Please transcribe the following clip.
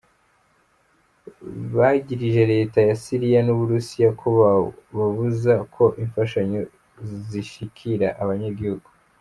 Bagirije reta ya Syria n’Uburusiya ko babuza ko imfashanyo zishikira abanyagihugu.